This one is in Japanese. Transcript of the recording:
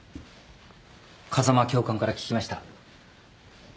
風間教官から聞きました。